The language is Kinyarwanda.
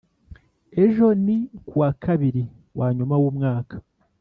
Ejo niku wa kabiri wanyuma w’umwaka